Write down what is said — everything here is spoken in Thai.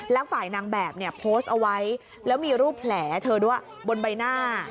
แล้วฝ่ายนางแบบเนี่ยโพสต์เอาไว้แล้วมีรูปแผลเธอด้วยบนใบหน้า